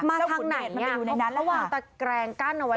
มาทางไหนเนี่ยเพราะว่าเขาวางตะแกรงกั้นเอาไว้